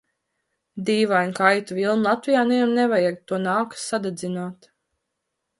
Dīvaini, ka aitu vilnu Latvijā nevienam nevajag, to nākas sadedzināt.